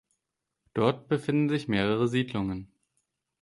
Dort befinden sich mehrere Siedlungen.